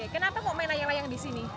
kenapa kok main layang layang di sini